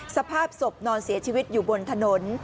สภาพศพนอนเสียชีวิตอยู่บนถนน